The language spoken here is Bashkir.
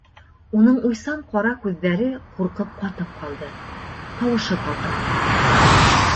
Уның уйсан ҡара күҙҙәре ҡурҡып ҡатып ҡалды, тауышы ҡалтыранды.